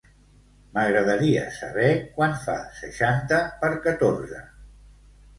M'agradaria saber quant fa seixanta per catorze.